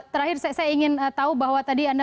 terakhir saya ingin tahu bahwa tadi anda